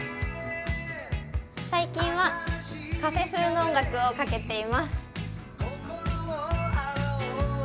最近はカフェ風の音楽をかけています。